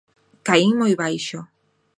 Caín moi baixo.